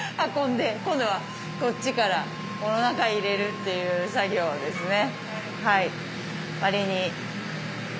今度はこっちからこの中へ入れるっていう作業ですね。